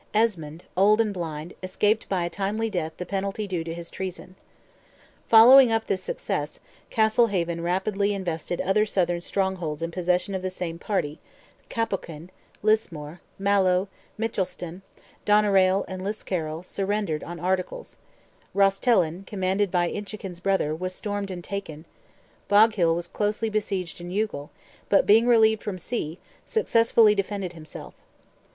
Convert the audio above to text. Esmond, old and blind, escaped by a timely death the penalty due to his treason. Following up this success, Castlehaven rapidly invested other southern strongholds in possession of the same party, Cappoquin, Lismore, Mallow, Mitchelstown, Doneraile and Liscarroll surrendered on articles; Rostellan, commanded by Inchiquin's brother, was stormed and taken; Boghill was closely besieged in Youghal, but, being relieved from sea, successfully defended himself.